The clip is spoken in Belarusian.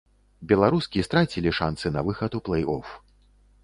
Беларускі страцілі шанцы на выхад у плэй-оф.